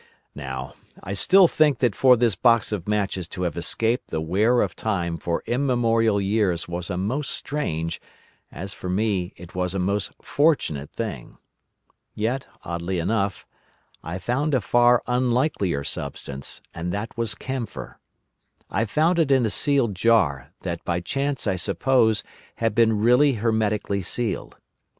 "Now, I still think that for this box of matches to have escaped the wear of time for immemorial years was a most strange, as for me it was a most fortunate, thing. Yet, oddly enough, I found a far unlikelier substance, and that was camphor. I found it in a sealed jar, that by chance, I suppose, had been really hermetically sealed.